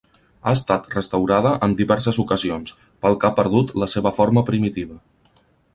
Ha estat restaurada en diverses ocasions, pel que ha perdut la seva forma primitiva.